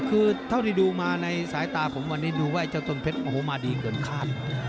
ก็คือที่ดูนะในสายตาของผมวันนี้จ้าตนเพจมาดีเกินคราภ